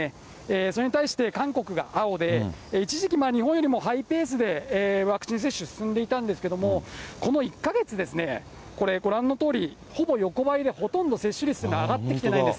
それに対して韓国が青で、一時期、日本よりもハイペースでワクチン接種進んでいたんですけども、この１か月ですね、これ、ご覧のとおり、ほぼ横ばいで、ほとんど接種率が上がってきてないんです。